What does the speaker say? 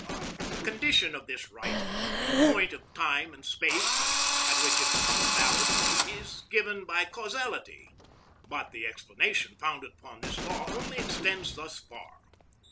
The condition of this right, the point of time and space at which it becomes valid, is given by causality, but the explanation founded upon this law only extends thus far.